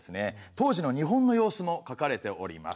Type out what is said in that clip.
当時の日本の様子も書かれております。